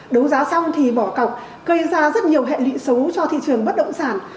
đấu giá xong thì bỏ cọc gây ra rất nhiều hệ lụy xấu cho thị trường bất động sản